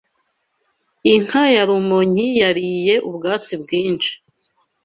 Inka ya Rumonyi yariye ubwatsi bwinshi